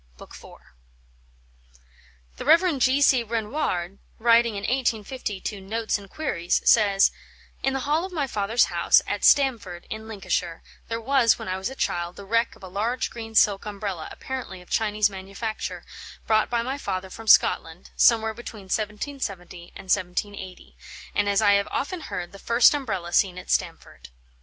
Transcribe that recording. B. iv, The Rev. G. C. Renouard, writing in 1850 to Notes and Queries, says: "In the hall of my father's house, at Stamford, in Lincolnshire, there was, when I was a child, the wreck of a large green silk umbrella, apparently of Chinese manufacture, brought by my father from Scotland, somewhere between 1770 and 1780, and, as I have often heard, the first umbrella seen at Stamford.